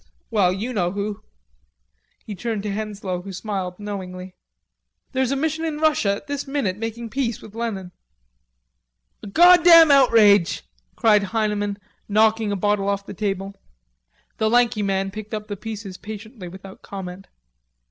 Well, you know who." He turned to Henslowe, who smiled knowingly. "There's a mission in Russia at this minute making peace with Lenin." "A goddam outrage!" cried Heineman, knocking a bottle off the table. The lanky man picked up the pieces patiently, without comment.